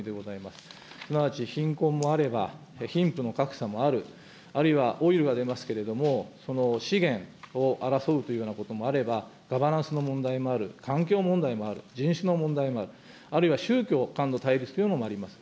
すなわち貧困もあれば、貧富の格差もある、あるいはオイルが出ますけれども、資源を争うというようなこともあれば、ガバナンスの問題もある、環境問題もある、人種の問題もある、あるいは宗教間の対立というものもあります。